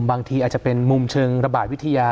บางทีอาจจะเป็นมุมเชิงระบาดวิทยา